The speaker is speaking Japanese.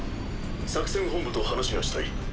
作戦本部と話がしたい。